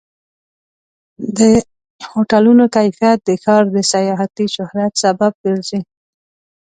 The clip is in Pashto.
د هوټلونو کیفیت د ښار د سیاحتي شهرت سبب ګرځي.